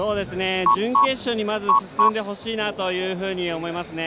準決勝にまず進んでほしいなというふうに思いますね。